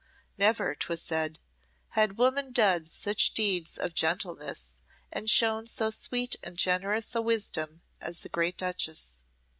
Never, 'twas said, had woman done such deeds of gentleness and shown so sweet and generous a wisdom as the great duchess.